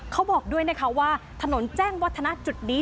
เขาบอกด้วยนะคะว่าถนนแจ้งวัฒนะจุดนี้